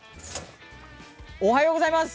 おはようございます。